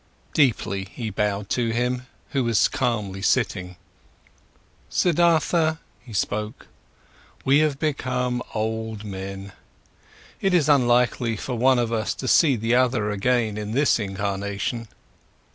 Deeply he bowed to him who was calmly sitting. "Siddhartha," he spoke, "we have become old men. It is unlikely for one of us to see the other again in this incarnation.